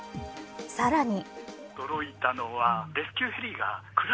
さらに。